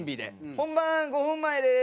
「本番５分前です。